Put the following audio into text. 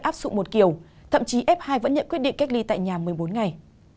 áp dụng một kiểu thậm chí f hai vẫn nhận quyết định cách ly tại nhà một mươi bốn ngày